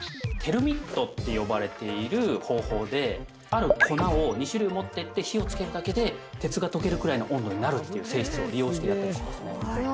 ある粉を２種類持ってって火を付けるだけで鉄が溶けるくらいの温度になるっていう性質を利用してやったりしますね。